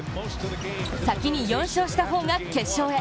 先に４勝した方が決勝へ。